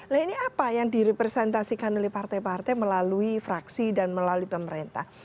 nah ini apa yang direpresentasikan oleh partai partai melalui fraksi dan melalui pemerintah